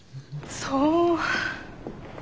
そう。